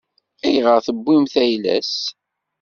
Ayɣer i tewwimt ayla-s?